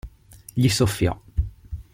Gli soffiò.